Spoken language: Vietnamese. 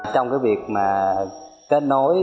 trong việc kết nối